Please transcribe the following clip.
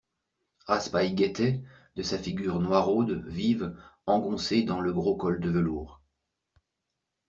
Raspail guettait, de sa figure noiraude, vive, engoncée dans le gros col de velours.